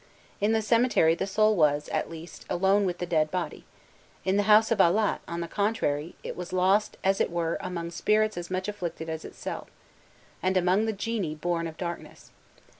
In the cemetery the soul was, at least, alone with the dead body; in the house of Allat, on the contrary, it was lost as it were among spirits as much afflicted as itself, and among the genii born of darkness.